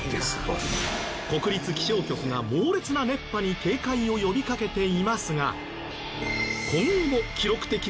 国立気象局が猛烈な熱波に警戒を呼びかけていますが。